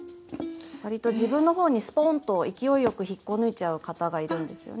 割と自分のほうにスポーンと勢いよく引っこ抜いちゃう方がいるんですよね。